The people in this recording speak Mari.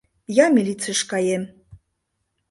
— Я милицийыш каем